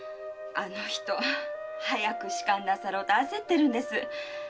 あの人早く仕官なさろうと焦ってるんです。